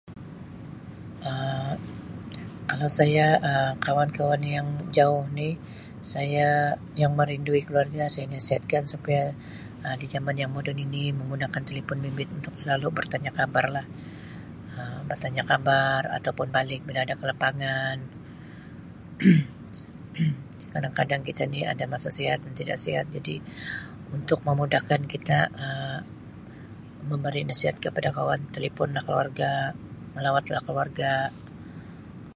Um Kalau saya Um kawan-kawan yang jauh ni saya, yang merindui keluarga saya nasihatkan supaya dijaman yang moden ini menggunakan telipon bimbit untuk selalu bertanya kabarlah Um bertanya kabar ataupun balik bila ada kelapangan. Kadang-kadang kita ni ada masa sihat, tidak sihat jadi untuk memudahkan kita Um memberi nasihat kepada kawan, teliponlah keluarga, melawatlah keluarga.